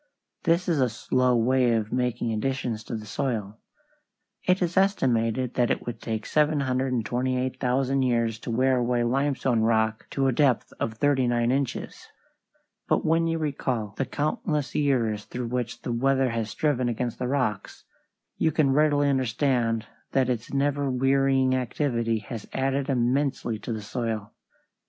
This is a slow way of making additions to the soil. It is estimated that it would take 728,000 years to wear away limestone rock to a depth of thirty nine inches. But when you recall the countless years through which the weather has striven against the rocks, you can readily understand that its never wearying activity has added immensely to the soil.